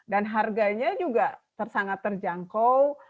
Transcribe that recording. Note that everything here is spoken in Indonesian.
dan harganya juga sangat terjangkau